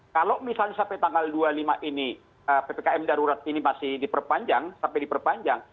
kalau misalnya sampai tanggal dua puluh lima ini ppkm darurat ini masih diperpanjang sampai diperpanjang